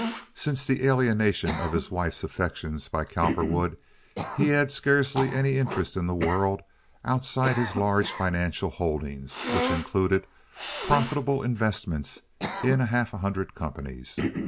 Since the alienation of his wife's affections by Cowperwood, he had scarcely any interest in the world outside his large financial holdings, which included profitable investments in a half hundred companies.